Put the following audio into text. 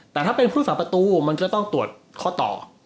แต่ถ้าเป็นผู้สาปตัวต้องตรวจข้อต่อ